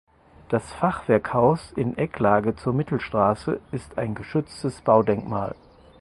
Das Fachwerkhaus in Ecklage zur Mittelstraße ist ein geschütztes Baudenkmal.